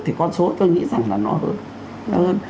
thì con số tôi nghĩ rằng là nó hơn